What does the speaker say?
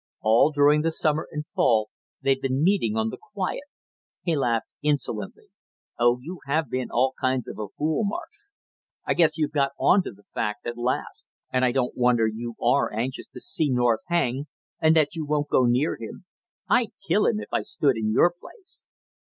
All during the summer and fall they've been meeting on the quiet " he laughed insolently. "Oh, you have been all kinds of a fool, Marsh; I guess you've got on to the fact at last. And I don't wonder you are anxious to see North hang, and that you won't go near him; I'd kill him if I stood in your place.